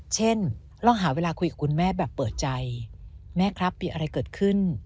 ลองหาเวลาคุยกับคุณแม่แบบเปิดใจแม่ครับมีอะไรเกิดขึ้น